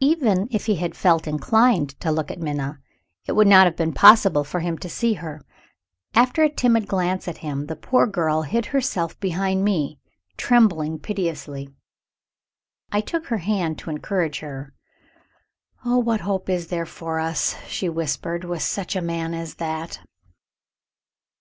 Even if he had felt inclined to look at Minna, it would not have been possible for him to see her. After one timid glance at him, the poor girl hid herself behind me, trembling piteously. I took her hand to encourage her. "Oh, what hope is there for us," she whispered, "with such a man as that?"